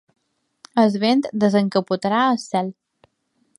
El vent desencapotarà el cel.